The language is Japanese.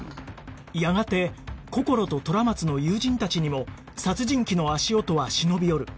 やがてこころと虎松の友人たちにも殺人鬼の足音は忍び寄る